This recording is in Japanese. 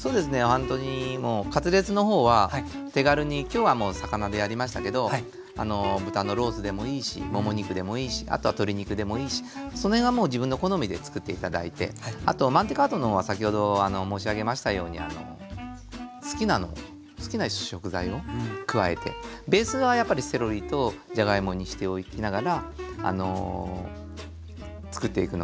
ほんとにもうカツレツのほうは手軽に今日はもう魚でやりましたけど豚のロースでもいいしもも肉でもいいしあとは鶏肉でもいいしそのへんはもう自分の好みでつくって頂いてあとマンテカートのほうは先ほど申し上げましたように好きなのを好きな食材を加えてベースはやっぱりセロリとじゃがいもにしておきながらあのつくっていくのがいいと思いますね。